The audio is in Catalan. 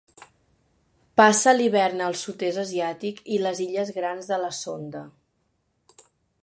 Passa l'hivern al Sud-est asiàtic i les illes Grans de la Sonda.